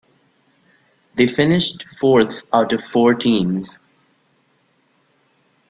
They finished fourth out of four teams.